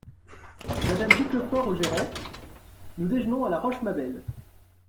Madame Giclefort, au gérant. — Nous déjeunons à la Rochemabelle.